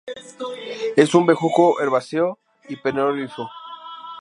Es un bejuco herbáceo perennifolio.